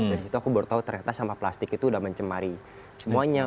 dan disitu aku baru tahu ternyata sampah plastik itu udah mencemari semuanya